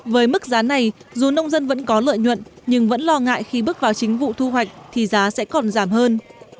với mức giá này dù nông dân vẫn có lợi nhuận nhưng vẫn lo ngại khi bước vào chính vụ thu hoạch thì giá sẽ còn giảm hơn